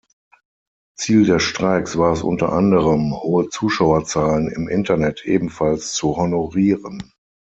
Ziel der Streiks war es unter anderem, hohe Zuschauerzahlen im Internet ebenfalls zu honorieren.